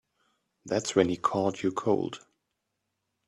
That's when he caught your cold.